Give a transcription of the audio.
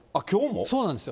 そうなんですよ。